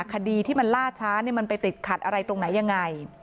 คดีที่มันล่าช้ามันไปติดขัดอะไรตรงไหนยังไง